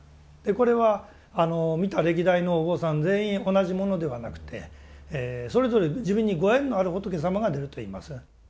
これは見た歴代のお坊さん全員同じものではなくてそれぞれ自分にご縁のある仏様が出るといいます。